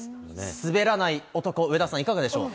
滑らない男、上田さん、いかがでしょう？